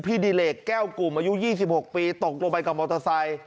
ดิเลกแก้วกลุ่มอายุ๒๖ปีตกลงไปกับมอเตอร์ไซค์